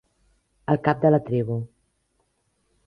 El cap de la tribu.